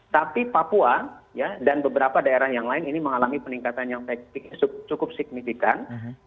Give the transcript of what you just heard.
tapi papua dan beberapa daerah yang lain ini mengalami peningkatan yang cukup signifikan